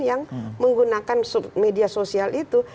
yang menggunakan media sosial itu